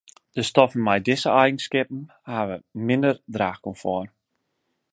De stoffen mei dizze eigenskippen hawwe minder draachkomfort.